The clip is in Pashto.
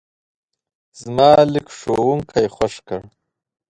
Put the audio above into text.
زما لیک ښوونکی خوښ کړ.